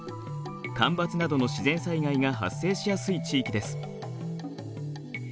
干ばつなどの自然災害が発生しやすい地域です。